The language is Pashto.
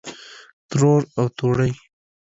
ترور او توړۍ